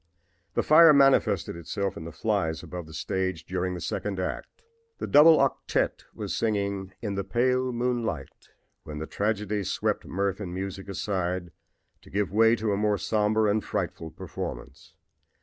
"The fire manifested itself in the flies above the stage during the second act. The double octette was singing 'In the Pale Moonlight' when the tragedy swept mirth and music aside, to give way to a more somber and frightful performance.